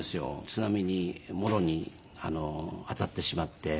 津波にもろに当たってしまって。